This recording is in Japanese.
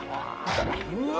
うわ。